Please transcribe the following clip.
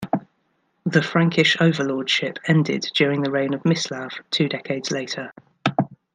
The Frankish overlordship ended during the reign of Mislav two decades later.